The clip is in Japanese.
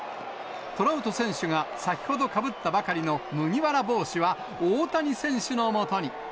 トラウト選手が先ほどかぶったばかりの麦わら帽子は大谷選手のもとに。